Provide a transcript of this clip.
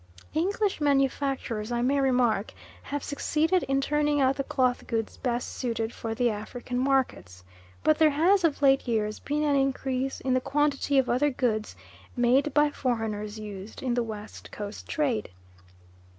English manufacturers, I may remark, have succeeded in turning out the cloth goods best suited for the African markets, but there has of late years been an increase in the quantity of other goods made by foreigners used in the West Coast trade.